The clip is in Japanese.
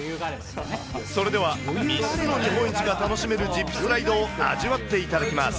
それでは３つの日本一が楽しめるジップスライドを味わっていただきます。